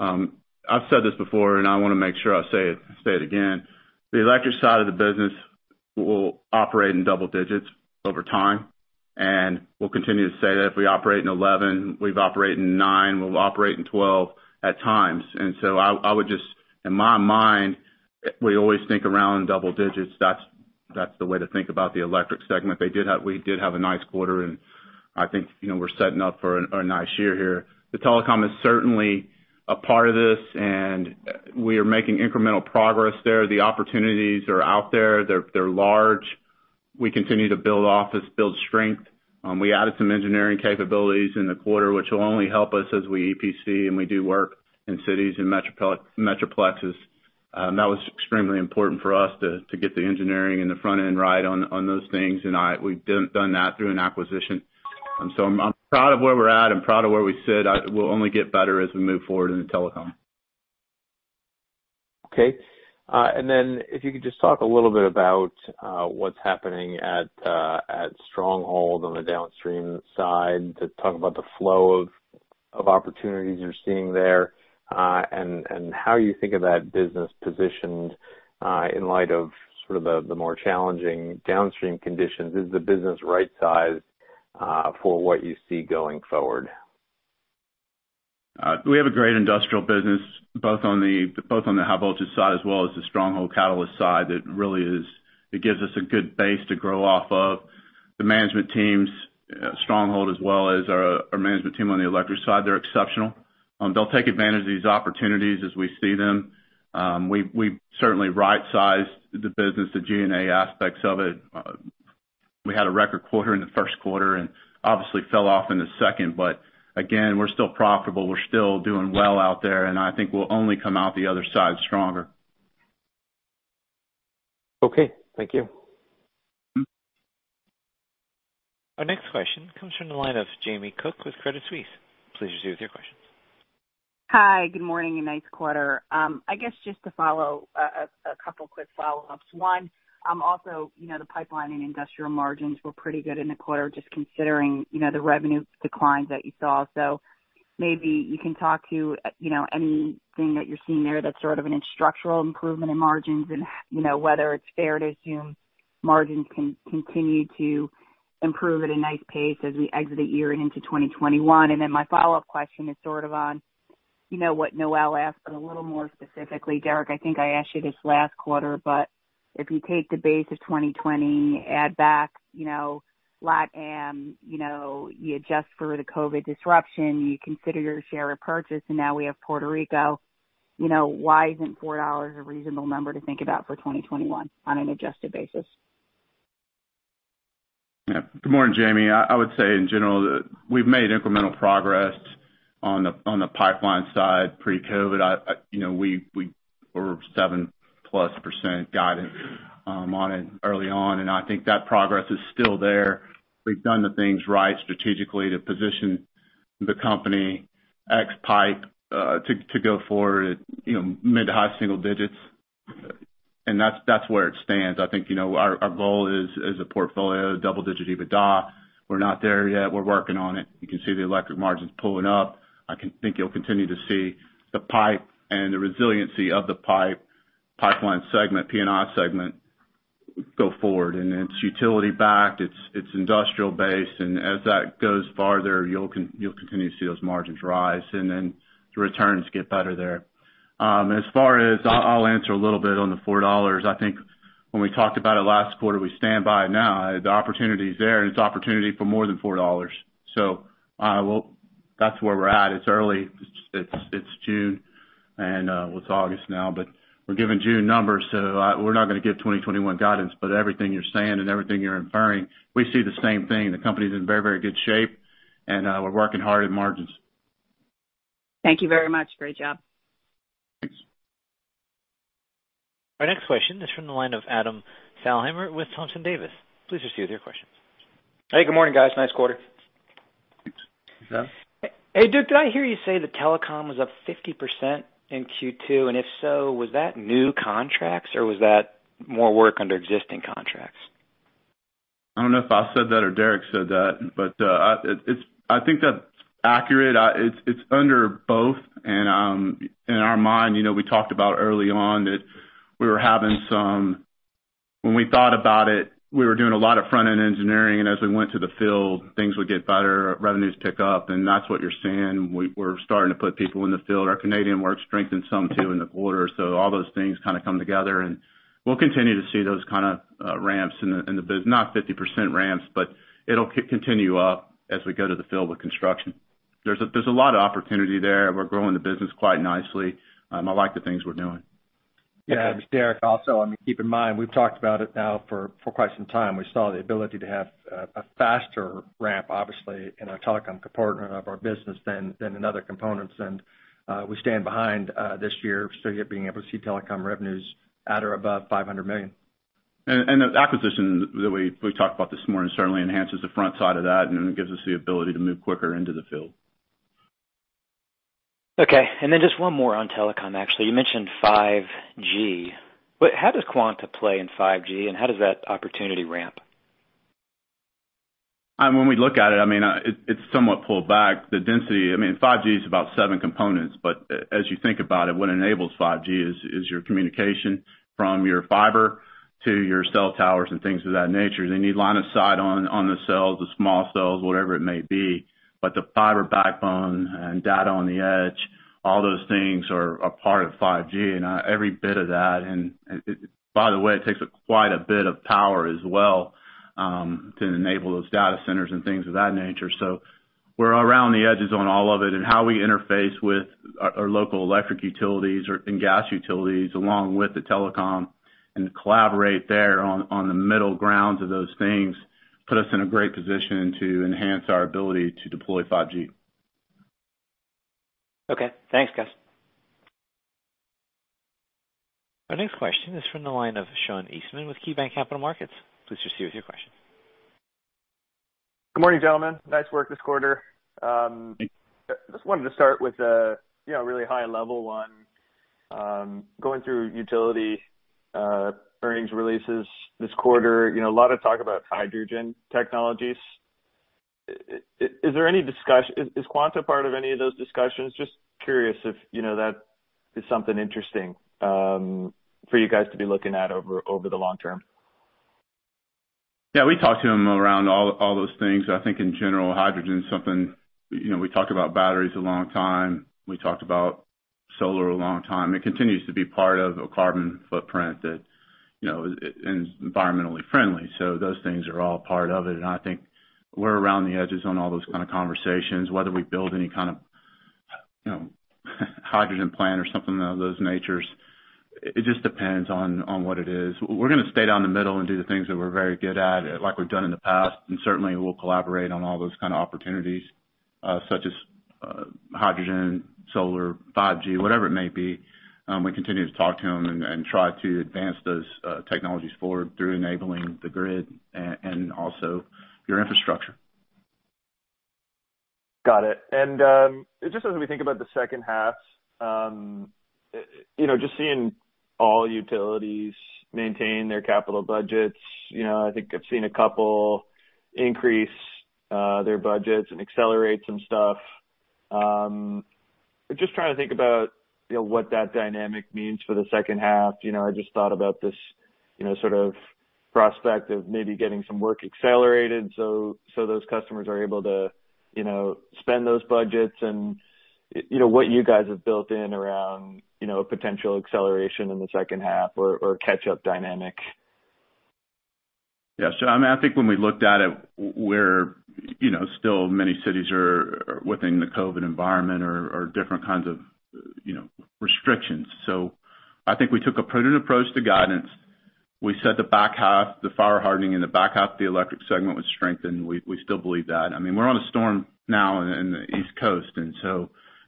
I've said this before, and I want to make sure I say it again. The electric side of the business will operate in double digits over time, and we'll continue to say that. If we operate in 11, we've operated in 9. We'll operate in 12 at times. I would just, in my mind, we always think around double digits. That's the way to think about the electric segment. We did have a nice quarter, and I think we're setting up for a nice year here. The telecom is certainly a part of this, and we are making incremental progress there. The opportunities are out there. They're large. We continue to build office, build strength. We added some engineering capabilities in the quarter, which will only help us as we EPC and we do work in cities and metroplexes. That was extremely important for us to get the engineering and the front end right on those things. We have done that through an acquisition. I'm proud of where we're at. I'm proud of where we sit. We'll only get better as we move forward in the telecom. Okay. If you could just talk a little bit about what's happening at Stronghold on the downstream side to talk about the flow of opportunities you're seeing there and how you think of that business positioned in light of sort of the more challenging downstream conditions. Is the business right-sized for what you see going forward? We have a great industrial business, both on the high-voltage side as well as the Stronghold catalyst side that really gives us a good base to grow off of. The management teams, Stronghold as well as our management team on the electric side, they're exceptional. They'll take advantage of these opportunities as we see them. We certainly right-sized the business, the G&A aspects of it. We had a record quarter in the first quarter and obviously fell off in the second. Again, we're still profitable. We're still doing well out there, and I think we'll only come out the other side stronger. Okay. Thank you. Our next question comes from the line of Jamie Cook with Credit Suisse. Please proceed with your questions. Hi. Good morning and nice quarter. I guess just to follow a couple of quick follow-ups. One, also the pipeline and industrial margins were pretty good in the quarter just considering the revenue decline that you saw. Maybe you can talk to anything that you're seeing there that's sort of an instructional improvement in margins and whether it's fair to assume margins can continue to improve at a nice pace as we exit a year and into 2021. My follow-up question is sort of on what Noelle asked a little more specifically. Derrick, I think I asked you this last quarter, but if you take the base of 2020, add back LATAM, you adjust for the COVID disruption, you consider your share of purchase, and now we have Puerto Rico, why isn't $4 a reasonable number to think about for 2021 on an adjusted basis? Good morning, Jamie. I would say in general that we've made incremental progress on the pipeline side pre-COVID. We were 7-plus % guidance on it early on, and I think that progress is still there. We've done the things right strategically to position the company Ex Pipe to go forward at mid to high single digits. That's where it stands. I think our goal is a portfolio, double-digit EBITDA. We're not there yet. We're working on it. You can see the electric margins pulling up. I think you'll continue to see the pipe and the resiliency of the pipeline segment, P&I segment go forward. It's utility-backed. It's industrial-based. As that goes farther, you'll continue to see those margins rise, and then the returns get better there. As far as I'll answer a little bit on the $4. I think when we talked about it last quarter, we stand by it now. The opportunity is there, and it's an opportunity for more than $4. That's where we're at. It's early. It's June, and it's August now. We're giving June numbers, so we're not going to give 2021 guidance. Everything you're saying and everything you're inferring, we see the same thing. The company's in very, very good shape, and we're working hard at margins. Thank you very much. Great job. Thanks. Our next question is from the line of Adam Thalhimer with Thompson Davis. Please proceed with your questions. Hey. Good morning, guys. Nice quarter. Thanks. Hey, Duke, did I hear you say the telecom was up 50% in Q2? If so, was that new contracts, or was that more work under existing contracts? I don't know if I said that or Derrick said that, but I think that's accurate. It's under both. In our mind, we talked about early on that we were having some when we thought about it, we were doing a lot of front-end engineering. As we went to the field, things would get better, revenues pick up. That is what you're seeing. We're starting to put people in the field. Our Canadian work strengthened some too in the quarter. All those things kind of come together. We will continue to see those kind of ramps in the business. Not 50% ramps, but it will continue up as we go to the field with construction. There is a lot of opportunity there. We're growing the business quite nicely. I like the things we're doing. Yeah. Derrick also, I mean, keep in mind, we've talked about it now for quite some time. We saw the ability to have a faster ramp, obviously, in our telecom component of our business than in other components. We stand behind this year still being able to see telecom revenues at or above $500 million. The acquisition that we talked about this morning certainly enhances the front side of that and gives us the ability to move quicker into the field. Okay. Just one more on telecom, actually. You mentioned 5G. How does Quanta play in 5G, and how does that opportunity ramp? When we look at it, I mean, it's somewhat pulled back. The density, I mean, 5G is about seven components. As you think about it, what enables 5G is your communication from your fiber to your cell towers and things of that nature. They need line of sight on the cells, the small cells, whatever it may be. The fiber backbone and data on the edge, all those things are part of 5G. Every bit of that, and by the way, it takes quite a bit of power as well to enable those data centers and things of that nature. We are around the edges on all of it and how we interface with our local electric utilities and gas utilities along with the telecom and collaborate there on the middle grounds of those things puts us in a great position to enhance our ability to deploy 5G. Okay. Thanks, guys. Our next question is from the line of Sean Eastman with KeyBanc Capital Markets. Please proceed with your questions. Good morning, gentlemen. Nice work this quarter. Just wanted to start with a really high level on going through utility earnings releases this quarter. A lot of talk about hydrogen technologies. Is Quanta part of any of those discussions? Just curious if that is something interesting for you guys to be looking at over the long term. Yeah. We talk to them around all those things. I think in general, hydrogen is something. We talked about batteries a long time. We talked about solar a long time. It continues to be part of a carbon footprint and environmentally friendly. Those things are all part of it. I think we're around the edges on all those kind of conversations, whether we build any kind of hydrogen plant or something of those natures. It just depends on what it is. We're going to stay down the middle and do the things that we're very good at like we've done in the past. Certainly, we'll collaborate on all those kind of opportunities such as hydrogen, solar, 5G, whatever it may be. We continue to talk to them and try to advance those technologies forward through enabling the grid and also your infrastructure. Got it. Just as we think about the second half, just seeing all utilities maintain their capital budgets, I think I've seen a couple increase their budgets and accelerate some stuff. Just trying to think about what that dynamic means for the second half. I just thought about this sort of prospect of maybe getting some work accelerated so those customers are able to spend those budgets and what you guys have built in around a potential acceleration in the second half or catch-up dynamic. Yeah. I mean, I think when we looked at it, still many cities are within the COVID environment or different kinds of restrictions. I think we took a prudent approach to guidance. We said the fire hardening in the back half of the electric segment was strengthened. We still believe that. I mean, we're on a storm now in the East Coast.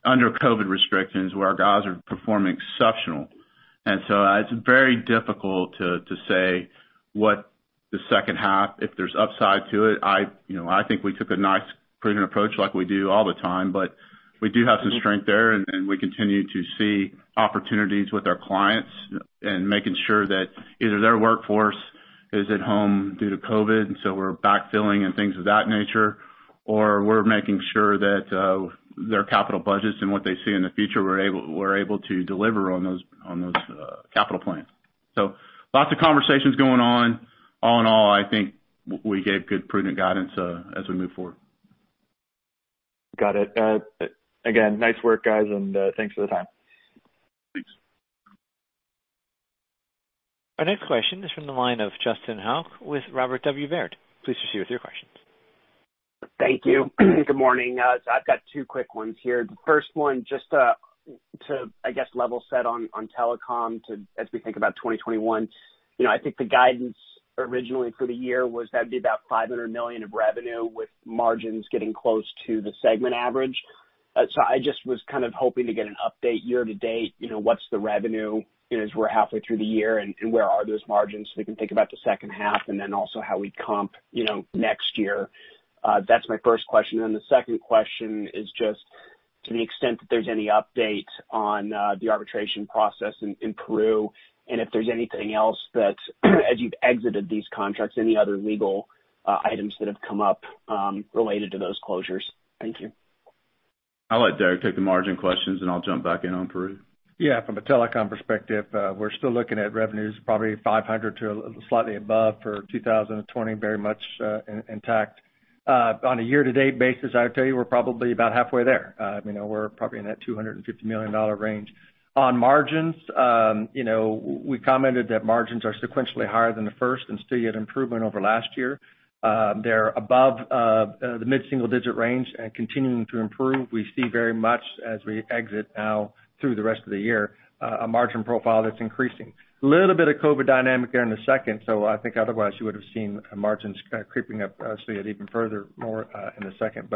Under COVID restrictions, where our guys are performing exceptional. It is very difficult to say what the second half, if there's upside to it. I think we took a nice prudent approach like we do all the time. We do have some strength there. We continue to see opportunities with our clients and making sure that either their workforce is at home due to COVID, and we're backfilling and things of that nature, or we're making sure that their capital budgets and what they see in the future, we're able to deliver on those capital plans. Lots of conversations going on. All in all, I think we gave good prudent guidance as we move forward. Got it. Again, nice work, guys, and thanks for the time. Thanks. Our next question is from the line of Justin Hauke with Robert W. Baird. Please proceed with your questions. Thank you. Good morning. I have two quick ones here. The first one, just to, I guess, level set on telecom as we think about 2021, I think the guidance originally for the year was that would be about $500 million of revenue with margins getting close to the segment average. I just was kind of hoping to get an update year to date. What is the revenue as we are halfway through the year, and where are those margins so we can think about the second half and then also how we comp next year? That is my first question. The second question is just to the extent that there's any update on the arbitration process in Peru and if there's anything else that, as you've exited these contracts, any other legal items that have come up related to those closures. Thank you. I'll let Derrick take the margin questions, and I'll jump back in on Peru. Yeah. From a telecom perspective, we're still looking at revenues probably $500 million to slightly above for 2020, very much intact. On a year-to-date basis, I would tell you we're probably about halfway there. We're probably in that $250 million range. On margins, we commented that margins are sequentially higher than the first and still yet improvement over last year. They're above the mid-single-digit range and continuing to improve. We see very much as we exit now through the rest of the year, a margin profile that's increasing. A little bit of COVID dynamic there in the second. I think otherwise you would have seen margins creeping up, so you had even further more in the second.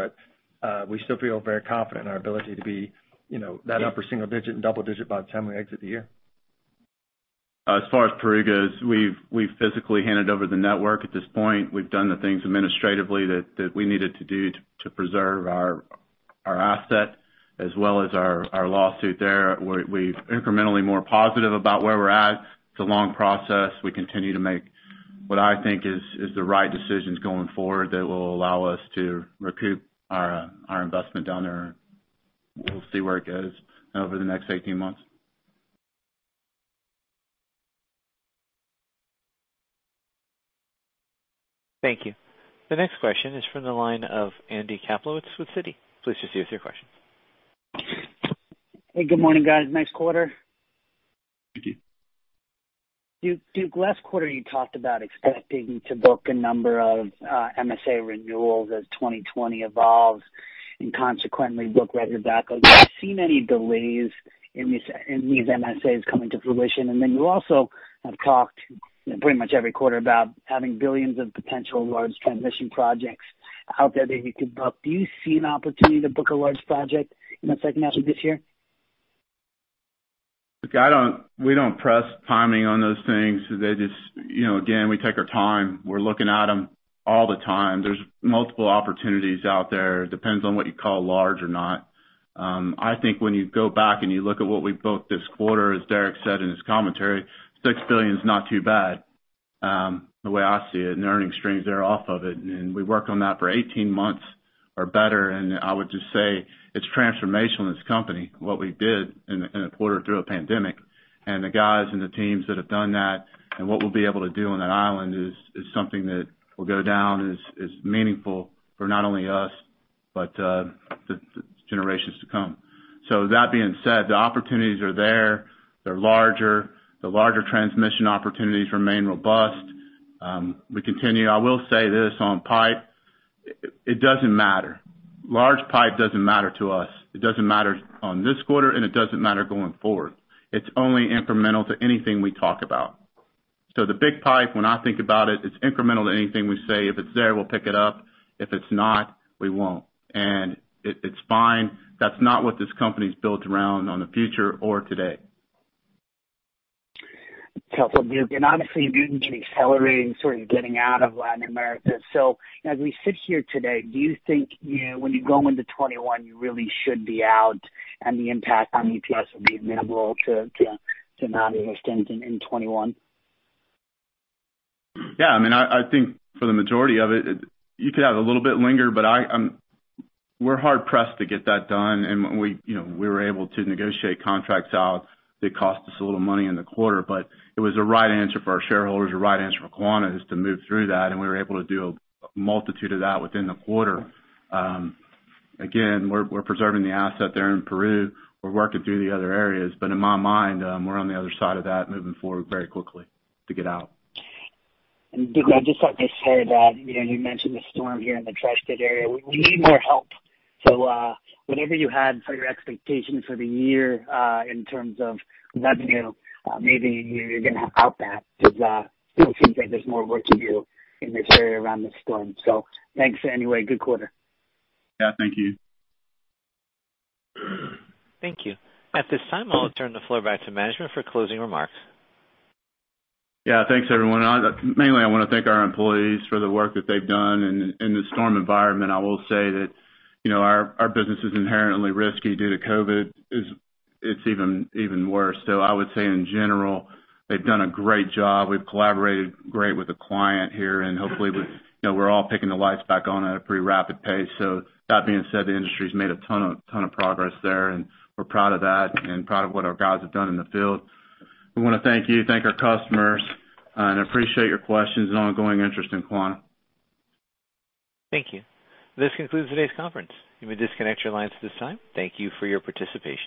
We still feel very confident in our ability to be that upper single digit and double digit by the time we exit the year. As far as Peru goes, we've physically handed over the network at this point. We've done the things administratively that we needed to do to preserve our asset as well as our lawsuit there. We're incrementally more positive about where we're at. It's a long process. We continue to make what I think is the right decisions going forward that will allow us to recoup our investment down there. We'll see where it goes over the next 18 months. Thank you. The next question is from the line of Andy Kaplowitz with Citi. Please proceed with your questions. Hey. Good morning, guys. Nice quarter. Thank you. Duke, last quarter, you talked about expecting to book a number of MSA renewals as 2020 evolves and consequently book record backlog. You've seen any delays in these MSAs coming to fruition? You also have talked pretty much every quarter about having billions of potential large transmission projects out there that you could book. Do you see an opportunity to book a large project in the second half of this year? We don't press timing on those things. Again, we take our time. We're looking at them all the time. There's multiple opportunities out there. It depends on what you call large or not. I think when you go back and you look at what we booked this quarter, as Derrick said in his commentary, $6 billion is not too bad the way I see it. The earnings streams there off of it. We worked on that for 18 months or better. I would just say it's transformational in this company, what we did in the quarter through a pandemic. The guys and the teams that have done that and what we'll be able to do on that island is something that will go down as meaningful for not only us but the generations to come. That being said, the opportunities are there. They're larger. The larger transmission opportunities remain robust. We continue. I will say this on pipe. It doesn't matter. Large pipe doesn't matter to us. It doesn't matter on this quarter, and it doesn't matter going forward. It's only incremental to anything we talk about. The big pipe, when I think about it, it's incremental to anything we say. If it's there, we'll pick it up. If it's not, we won't. It's fine. That's not what this company's built around on the future or today. Again, obviously, you're accelerating sort of getting out of Latin America. As we sit here today, do you think when you go into 2021, you really should be out and the impact on EPS would be minimal to 90% in 2021? Yeah. I mean, I think for the majority of it, you could have a little bit linger, but we're hard-pressed to get that done. We were able to negotiate contracts out that cost us a little money in the quarter. It was a right answer for our shareholders, a right answer for Quanta is to move through that. We were able to do a multitude of that within the quarter. Again, we're preserving the asset there in Peru. We're working through the other areas. In my mind, we're on the other side of that moving forward very quickly to get out. Duke, I just thought you said you mentioned the storm here in the Tri-State area. We need more help. Whatever you had for your expectations for the year in terms of revenue, maybe you're going to have out that because it seems like there's more work to do in this area around the storm. Thanks anyway. Good quarter. Thank you. Thank you. At this time, I'll turn the floor back to management for closing remarks. Thank you. Thanks, everyone. Mainly, I want to thank our employees for the work that they've done. In the storm environment, I will say that our business is inherently risky due to COVID. It's even worse. I would say in general, they've done a great job. We've collaborated great with the client here. Hopefully, we're all picking the lights back on at a pretty rapid pace. That being said, the industry has made a ton of progress there. We're proud of that and proud of what our guys have done in the field. We want to thank you, thank our customers, and appreciate your questions and ongoing interest in Quanta. Thank you. This concludes today's conference. You may disconnect your lines at this time. Thank you for your participation.